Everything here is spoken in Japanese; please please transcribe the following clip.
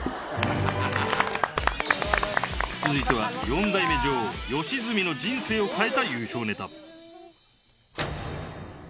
続いては４代目女王、吉住の人生を変えた優勝ネタ。